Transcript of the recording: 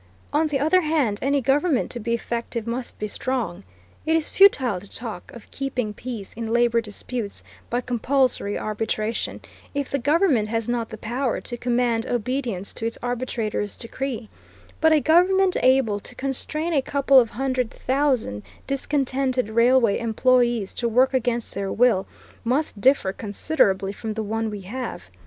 On the other hand any government to be effective must be strong. It is futile to talk of keeping peace in labor disputes by compulsory arbitration, if the government has not the power to command obedience to its arbitrators' decree; but a government able to constrain a couple of hundred thousand discontented railway employees to work against their will, must differ considerably from the one we have.